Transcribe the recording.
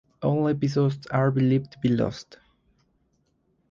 All episodes are believed to be lost.